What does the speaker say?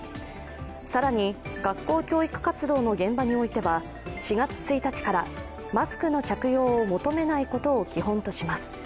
更に、学校教育活動の現場においては４月１日からマスクの着用を求めないことを基本とします。